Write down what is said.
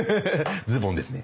ズボンですね。